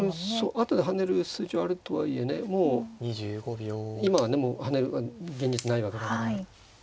後で跳ねる筋はあるとはいえねもう今はねもう跳ねる現実ないわけだから。